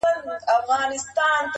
اوس ماشومان له تاریخونو سره لوبي کوي٫